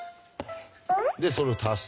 でそれを足す。